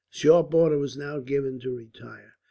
A sharp order was now given to retire.